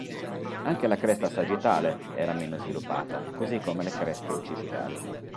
Anche la cresta sagittale era meno sviluppata, così come le creste occipitali.